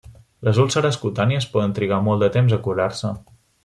Les úlceres cutànies poden trigar molt de temps a curar-se.